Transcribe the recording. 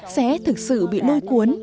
sẽ thực sự bị lôi cuốn